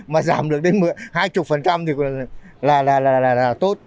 mà giảm được đến hai mươi thì là tốt